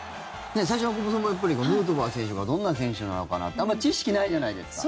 最初、久保さんもやっぱりヌートバー選手がどんな選手なのかなってあんま知識ないじゃないですか。